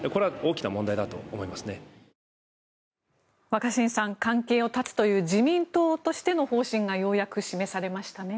若新さん関係を絶つという自民党としての方針がようやく示されましたね。